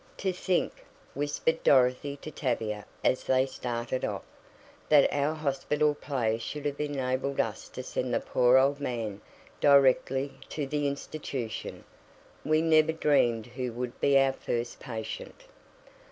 "To think," whispered Dorothy to Tavia as they started off, "that our hospital play should have enabled us to send the poor old man directly to the Institution. We never dreamed who would be our first patient."